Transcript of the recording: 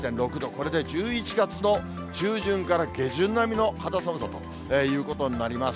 これで１１月の中旬から下旬並みの肌寒さということになります。